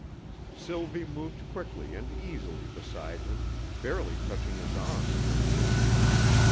Sylvie moved quickly and easily beside him, barely touching his arm with her hand.